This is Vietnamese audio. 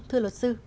thưa luật sư